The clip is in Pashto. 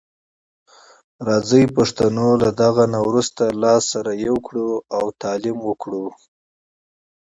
راځي پښتنو له دغه نه وروسته لاس سره یو کړو او تعلیم وکړو.